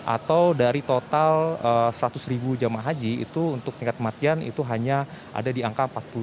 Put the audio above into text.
atau dari total seratus ribu jemaah haji itu untuk tingkat kematian itu hanya ada di angka empat puluh lima